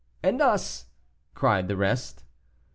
"And us!" cried the rest.